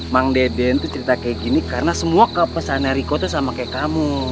bang deden tuh cerita kayak gini karena semua kepesannya riko itu sama kayak kamu